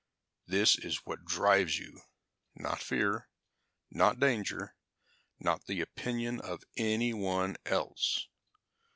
This is what drives you, not fear, not danger, not the opinion of anyone else.